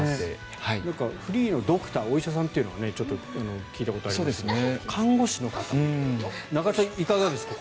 フリーのドクターお医者さんというのはちょっと聞いたことがありますけど看護師の方中井さん、いかがですか？